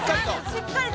しっかりと。